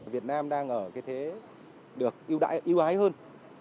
việt nam đang ở cái thế được yêu ái hơn